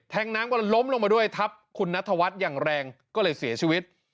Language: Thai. น้ำมันล้มลงมาด้วยทับคุณนัทวัฒน์อย่างแรงก็เลยเสียชีวิต